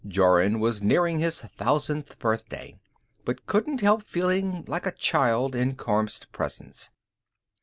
Jorun was nearing his thousandth birthday, but couldn't help feeling like a child in Kormt's presence.